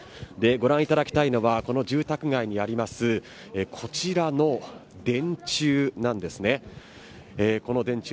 ご覧いただきたいのは住宅街にあるこちらの電柱なんですね。